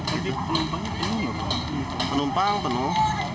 jadi penumpangnya penuh